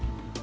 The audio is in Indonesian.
aku pukul dia